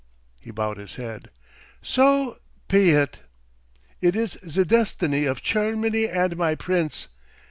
he bowed his head "so pe it. It is ze Destiny of Chermany and my Prince.